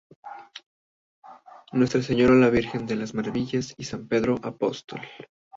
Nuestra Señora la Virgen de las Maravillas y San Pedro Apóstol.